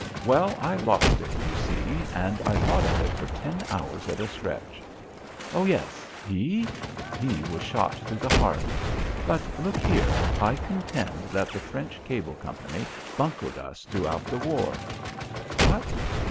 Well, I lost it, you see, and I thought of it for ten hours at a stretch. Oh, yes he? He was shot through the heart. But, look here, I contend that the French cable company buncoed us throughout the war. What?